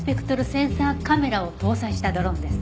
センサーカメラを搭載したドローンです。